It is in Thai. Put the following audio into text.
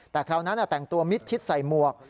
แต่คราวนั้นแต่งตัวมิดชิดใส่หมวก